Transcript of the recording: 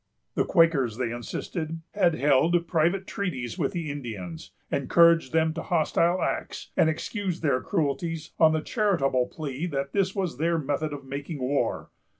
The Quakers, they insisted, had held private treaties with the Indians, encouraged them to hostile acts, and excused their cruelties on the charitable plea that this was their method of making war.